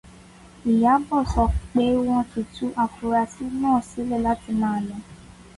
Ìyábọ̀ sọ pé wọ́n ti tú afurasí náà sílẹ̀ láti máa lọ